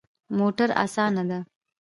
موټر اسانه ده